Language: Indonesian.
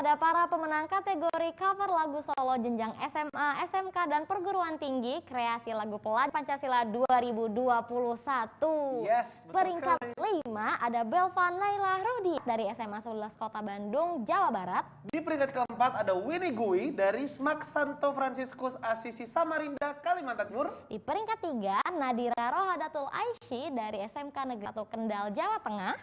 di peringkat tiga nadira rohadatul aisyi dari smk negeri satu kendal jawa tengah